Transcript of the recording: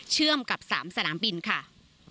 เชื่อมกับ๓สนามบินค่ะ